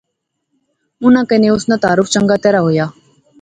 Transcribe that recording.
انیں کنے اس ناں تعارف چنگیا طرح ہوئی گیا